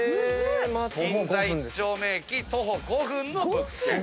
銀座一丁目駅徒歩５分の物件。